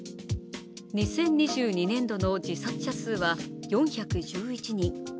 ２０２２年度の自殺者数は４１１人。